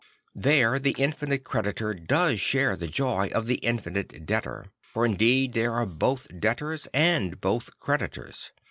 There the infinite creditor does share the joy of the infinite debtor; for indeed they are both debtors and both creditors.